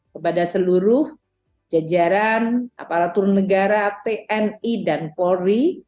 kepada seluruh jajaran aparatur negara tni dan polri